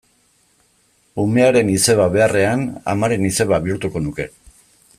Umearen izeba beharrean, amaren izeba bihurtuko nuke.